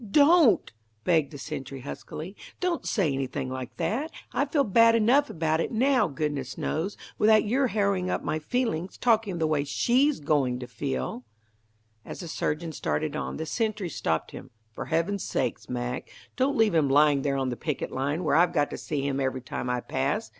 "Don't!" begged the sentry, huskily. "Don't say anything like that. I feel bad enough about it now, goodness knows, without your harrowing up my feelings, talking of the way she's going to feel." As the surgeon started on, the sentry stopped him. "For heaven's sake, Mac, don't leave him lying there on the picket line where I've got to see him every time I pass.